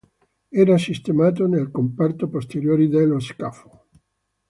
Era sistemato nel comparto posteriore dello scafo.